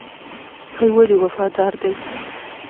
سپی ولې وفادار دی؟